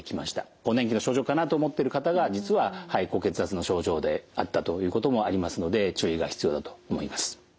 更年期の症状かなと思ってる方が実は肺高血圧の症状であったということもありますので注意が必要だと思います。